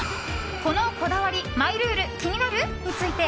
このこだわり・マイルール気になる？について